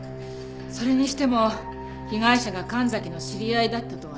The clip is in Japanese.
それにしても被害者が神崎の知り合いだったとはね。